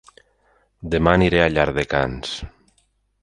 Dema aniré a Llardecans